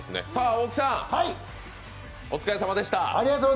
大木さんお疲れさまでした。